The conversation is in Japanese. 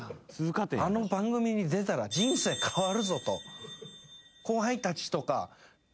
あの番組に出たら人生変わるぞと。